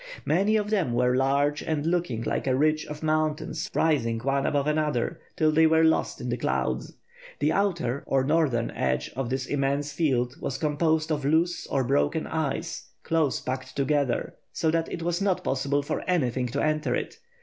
Many of them were large and looking like a ridge of mountains rising one above another till they were lost in the clouds. The outer, or northern, edge of this immense field was composed of loose or broken ice, close packed together, so that it was not possible for anything to enter it.